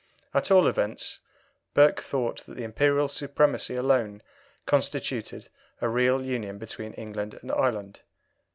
At all events, Burke thought that the Imperial supremacy alone constituted a real union between England and Ireland.